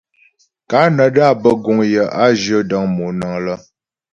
Kanada bə́ guŋ yə a zhyə dəŋ monəŋ lə́.